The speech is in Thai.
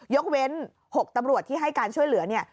ยกเว้น๖ตำรวจที่ให้การช่วยเหลือเนี่ย